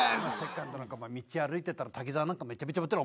道歩いてたら滝沢なんかめちゃめちゃモテる。